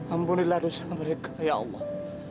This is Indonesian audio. ampunilah dosa mereka ya allah